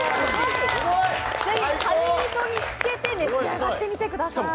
ぜひかにみそにつけて召し上がってみてください。